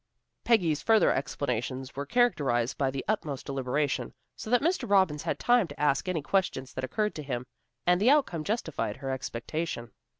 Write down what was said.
Peggy's further explanations were characterized by the utmost deliberation, so that Mr. Robbins had time to ask any questions that occurred to him, and the outcome justified her expectation.